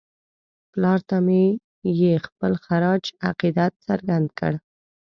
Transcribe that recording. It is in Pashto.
پلار ته مې یې خپل خراج عقیدت څرګند کړ.